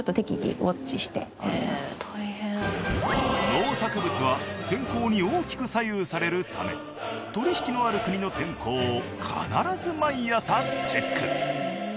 農作物は天候に大きく左右されるため取引のある国の天候を必ず毎朝チェック。